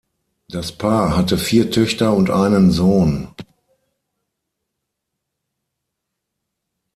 Das Paar hatte vier Töchter und einen Sohn.